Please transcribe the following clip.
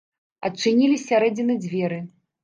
Адчынілі з сярэдзіны дзверы.